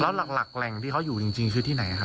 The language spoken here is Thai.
แล้วหลักแหล่งที่เขาอยู่จริงคือที่ไหนครับ